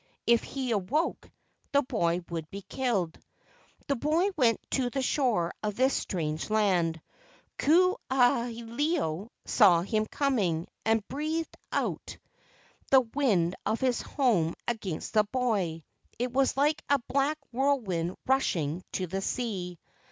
If he awoke, the boy would be killed. The boy went to the shore of this strange land. Ku aha ilo saw him coming, and breathed out 174 LEGENDS OF GHOSTS the wind of his home against the boy. It was like a black whirlwind rushing to the sea.